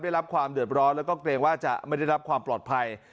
ได้รับความเดือดร้อนแล้วก็เกรงว่าจะไม่ได้รับความปลอดภัย